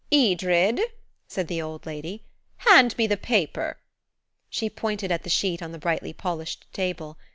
"Edred," said the old lady, "hand me the paper." She pointed at the sheet on the brightly polished table.